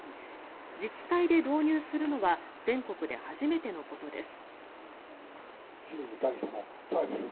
自治体で導入するのは全国で初めてのことです。